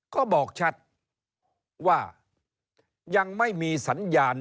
ก็บอกชัดว่ายังไม่มีสัญญาณ